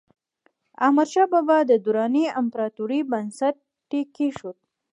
احمدشاه بابا د دراني امپراتورۍ بنسټ یې کېښود.